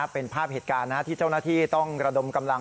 เป็นภาพเหตุการณ์ที่เจ้าหน้าที่ต้องระดมกำลัง